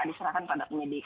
diserahkan pada penyidik